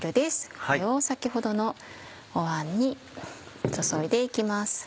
これを先ほどのお碗に注いで行きます。